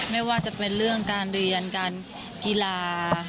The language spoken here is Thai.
ไม่ว่าจะเป็นเรื่องการเรียนการกีฬา